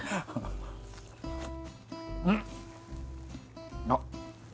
うんあっ